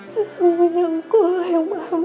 sesungguhnya engkau lah yang maaf